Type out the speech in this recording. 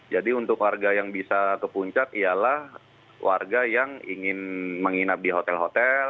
jadi untuk warga yang bisa ke puncak ialah warga yang ingin menginap di hotel hotel